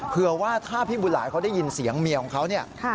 เพื่อว่าถ้าพี่บุญหลายเขาได้ยินเสียงเมียของเขาเนี่ย